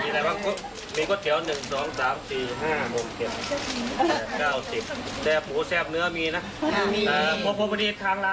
เดี๋ยวไปฟังเสียงกันค่ะ